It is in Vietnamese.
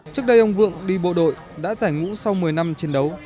trước đây ông vượng đi bộ đội đã giải ngũ sau một mươi năm chiến đấu